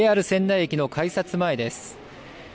ＪＲ仙台駅の改札前です。